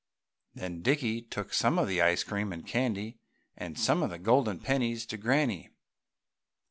Then Dickie took some of the ice cream and candy and some of the golden pennies to Granny.